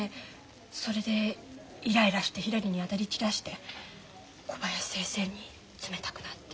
それでイライラしてひらりに当たり散らして小林先生に冷たくなって。